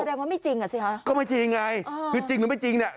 ว่าไม่จริงอ่ะสิฮะก็ไม่จริงไงคือจริงหรือไม่จริงเนี่ย